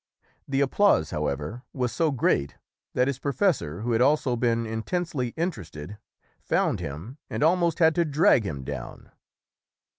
The applause, however, was so great that his professor, who had also been in tensely interested, found him and almost had to drag him down.